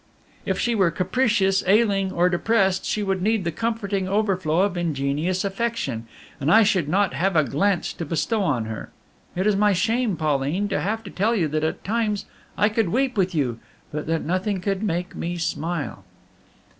If she were capricious, ailing, or depressed, she would need the comforting overflow of ingenious affection, and I should not have a glance to bestow on her. It is my shame, Pauline, to have to tell you that at times I could weep with you, but that nothing could make me smile.